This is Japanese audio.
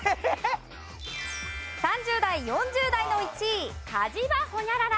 ３０代４０代の１位火事場ホニャララ。